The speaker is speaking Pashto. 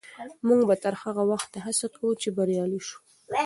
موږ به تر هغه وخته هڅه کوو چې بریالي سو.